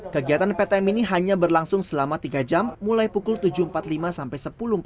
kegiatan ptm ini hanya berlangsung selama tiga jam mulai pukul tujuh empat puluh lima sampai sepuluh empat puluh